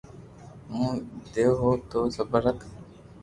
ھون ديو ھون ني سبر رک